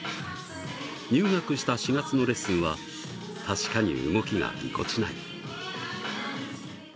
入学した４月のレッスンは確かに動きがぎこちない。